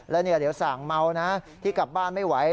แล้วเดี๋ยวสั่งเมาที่กลับบ้านไม่ไหว